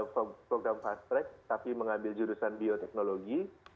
program fast track tapi mengambil jurusan bioteknologi